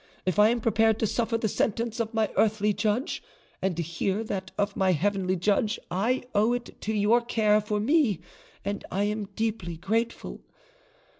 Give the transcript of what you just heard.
If I am prepared to suffer the sentence of my earthly judge, and to hear that of my heavenly judge, I owe it to your care for me, and I am deeply grateful.